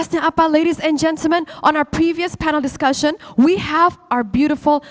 sekarang pemirsa dan pemirsa